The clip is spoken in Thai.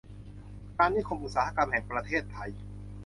การนิคมอุตสาหกรรมแห่งประเทศไทย